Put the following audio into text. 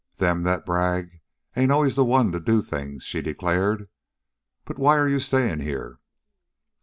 "Them that brag ain't always the ones that do things," she declared. "But why are you staying here?"